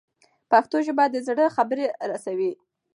پښتو ژبه د زړه خبره رسوي.